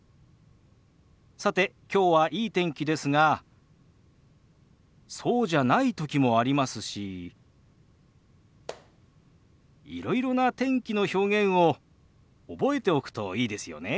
さてきょうはいい天気ですがそうじゃない時もありますしいろいろな天気の表現を覚えておくといいですよね。